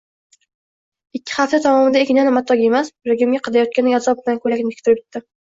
Ikki hafta davomida ignani matoga emas yuragimga qadayotgandek azob bilan ko`ylakni tikib bitirdim